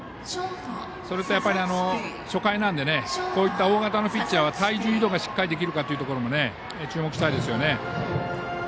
それと、初回なんでこういった大型のピッチャーは体重移動がしっかりできるかというところも注目したいですよね。